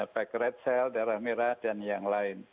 back red cell darah merah dan yang lain